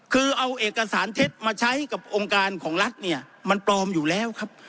คือเอาเอกสารเท็จมาใช้กับองค์การของรัฐเนี่ยมันปลอมอยู่แล้วครับ